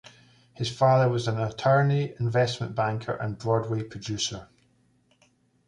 His father was an attorney, investment banker and Broadway producer.